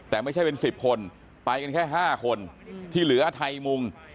แต่ไม่ใช่เป็น๑๐คนไปกันแค่๕คนที่เหลือไทยมุง